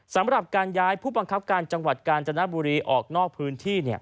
สำหรับการย้ายผู้บังคับการจังหวัดกาญจนบุรีออกนอกพื้นที่